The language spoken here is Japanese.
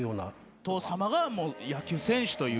お父さまが野球選手という。